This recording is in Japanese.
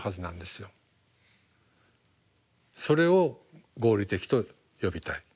それを合理的と呼びたい。